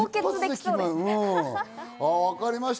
分かりました。